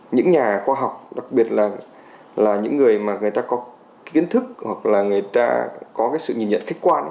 những nhà khoa học đặc biệt là những người mà người ta có kiến thức hoặc là người ta có cái sự nhìn nhận khách quan